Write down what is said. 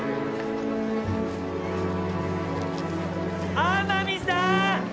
天海さーん！